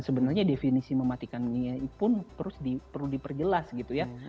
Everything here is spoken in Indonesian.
sebenarnya definisi mematikannya pun perlu diperjelas gitu ya